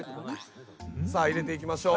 さあ入れていきましょう。